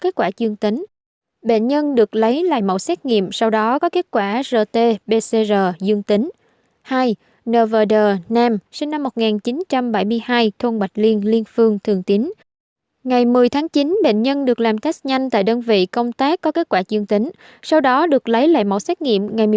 một t t g nữ sinh năm một nghìn chín trăm năm mươi chín đến từ hoàng văn thụ hoàng mai